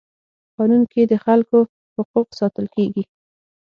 قانون کي د خلکو حقوق ساتل کيږي.